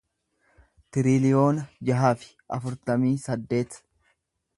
tiriliyoona jaha fi afurtamii saddeet